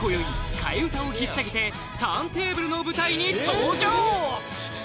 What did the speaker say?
替え歌をひっさげてターンテーブルの舞台に登場！